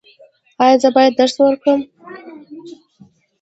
ایا زه باید درس ورکړم؟